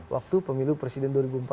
waktu pemilu presiden dua ribu empat belas